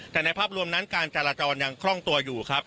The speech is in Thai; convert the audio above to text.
แต่ในภาพรวมนั้นการจราจรยังคล่องตัวอยู่ครับ